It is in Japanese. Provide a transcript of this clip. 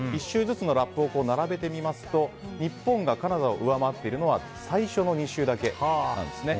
１周ずつのラップを比べてみますと日本がカナダを上回っているのは最初の２周だけなんです。